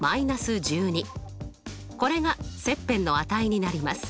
これが切片の値になります。